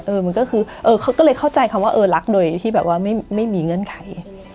มันก็คือเออเขาก็เลยเข้าใจคำว่าเออรักโดยที่แบบว่าไม่มีเงื่อนไข